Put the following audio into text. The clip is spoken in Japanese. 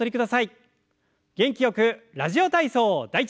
元気よく「ラジオ体操第１」。